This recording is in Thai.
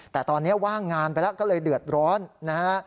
แต่ตอนนี้ว่างงานไปแล้วก็เลยเดือดร้อนนะฮะ